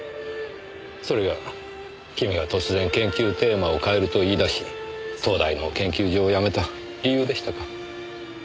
それが君が突然研究テーマを変えると言い出し東大の研究所を辞めた理由でしたか。